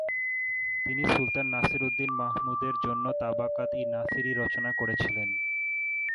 তিনি সুলতান নাসিরউদ্দিন মাহমুদের জন্য তাবাকাত-ই-নাসিরি রচনা করেছিলেন।